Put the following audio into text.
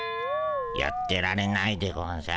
やってられないでゴンス。